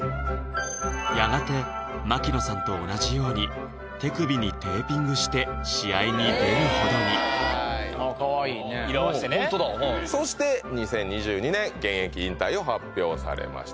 やがて槙野さんと同じように手首にテーピングして試合に出るほどにあっかわいいね色合わせてねそして２０２２年現役引退を発表されました